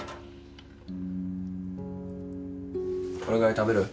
これぐらい食べる？